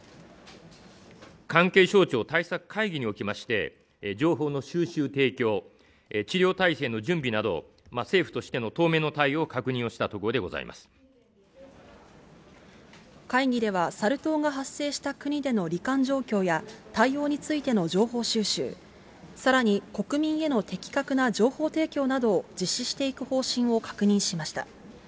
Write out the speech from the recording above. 関係省庁対策会議におきまして、情報の収集、提供、治療体制の準備など、政府としての当面の対応を確認をしたところでござい会議では、サル痘が発生した国でのり患状況や、対応についての情報収集、さらに国民への的確な情報提供などを実施していく方針を確認しました。